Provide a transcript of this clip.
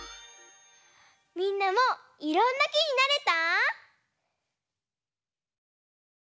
みんなもいろんなきになれた？